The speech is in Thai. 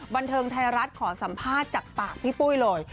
บันเทิงไทยรัฐขอสัมภาษณ์จากปากพี่ปุ้ยเลย